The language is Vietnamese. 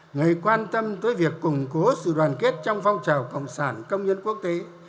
người quan tâm tới việc củng cố sự đoàn kết trong phong trào cộng sản công nhân quốc tế